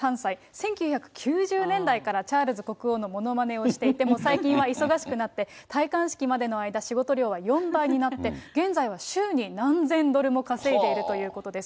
１９９０年代からチャールズ国王のものまねをしていて、最近はもう忙しくなって、戴冠式までの間、仕事量は４倍になって、現在は週に何千ドルも稼いでいるということです。